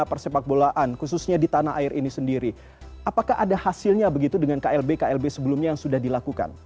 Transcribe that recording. prestasi pssi yang sedang berada